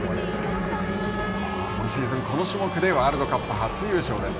今シーズン、この種目でワールドカップ初優勝です。